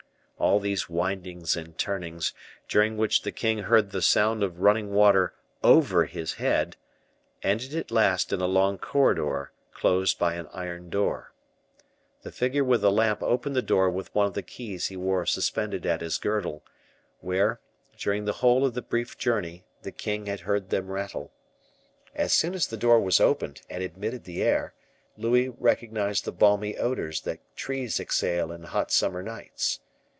All these windings and turnings, during which the king heard the sound of running water over his head, ended at last in a long corridor closed by an iron door. The figure with the lamp opened the door with one of the keys he wore suspended at his girdle, where, during the whole of the brief journey, the king had heard them rattle. As soon as the door was opened and admitted the air, Louis recognized the balmy odors that trees exhale in hot summer nights.